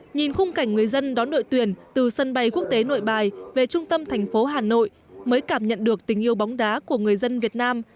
nhìn khung cảnh người dân đón đội tuyển từ sân bay quốc tế nội bài về trung tâm thành phố hà nội mới cảm nhận được tình yêu bóng đá của người dân việt nam